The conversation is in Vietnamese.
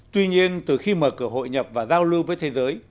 tuy nhiên từ khi mở cửa hội nhập và giao lưu với thế giới